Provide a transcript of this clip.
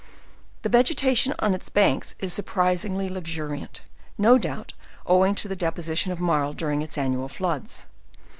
The vegetation on its banks is surprisingly lux uriant; no doubt, owing to the deposition of marl during iti annual floods.